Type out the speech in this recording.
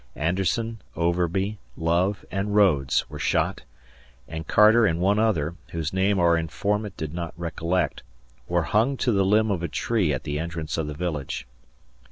Anderson, Overby, Love, and Rhodes were shot and Carter and one other, whose name our informant did not recollect, were hung to the limb of a tree at the entrance of the village.